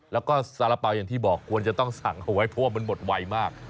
แล้วก็สาระเป๋าอย่างที่บอกควรจะต้องสั่งเอาไว้เพราะว่ามันหมดไวมาก